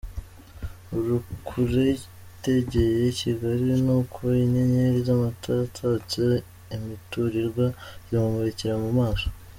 Uri kure yitegeye Kigali, ni uku inyenyeri z'amatara atatse imiturirwa zimumurika mu maso.